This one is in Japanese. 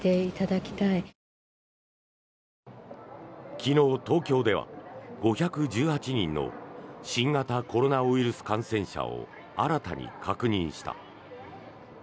昨日、東京では５１８人の新型コロナウイルス感染者を新たに確認した。